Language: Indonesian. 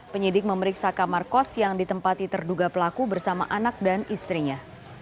penyidik memeriksa kamar kos yang ditempati terduga pelaku bersama anak dan istrinya